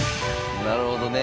なるほどね。